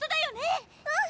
うん！